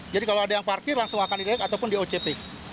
jadi kalau ada yang parkir langsung akan direk ataupun di oct